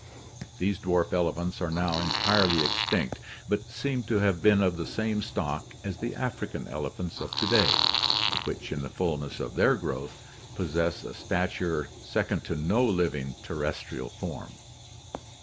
These dwarf elephants are now entirely extinct, but seem to have been of the same stock as the African elephants of to day, which in the fullness of their growth possess a stature second to no living ter restrial form.